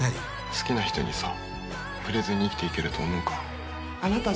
好きな人にさ、触れずに生きていけると思うか？